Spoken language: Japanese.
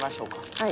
はい。